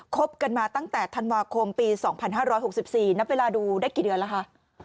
บกันมาตั้งแต่ธันวาคมปี๒๕๖๔นับเวลาดูได้กี่เดือนแล้วคะ